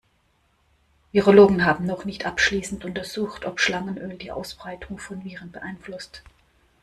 Virologen haben noch nicht abschließend untersucht, ob Schlangenöl die Ausbreitung von Viren beeinflusst.